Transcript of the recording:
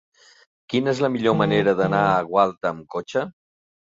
Quina és la millor manera d'anar a Gualta amb cotxe?